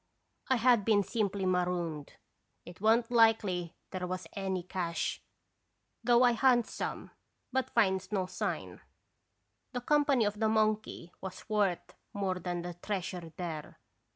1 had been simply marooned. It wa' n't likely there was any cache, though I hunts some, but finds no sign. The company of the monkey was worth more than the treasure there.